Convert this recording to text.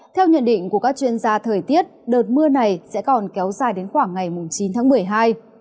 theo nhận định của các chuyên gia thời tiết đợt mưa này sẽ còn kéo dài đến khoảng ngày chín tháng một mươi hai